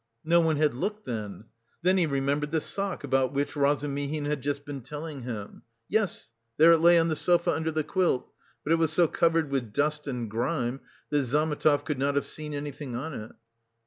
No one had looked, then! Then he remembered the sock about which Razumihin had just been telling him. Yes, there it lay on the sofa under the quilt, but it was so covered with dust and grime that Zametov could not have seen anything on it.